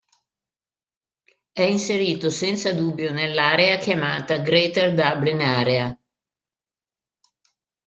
È inserito senza dubbio nell'area chiamata Greater Dublin Area.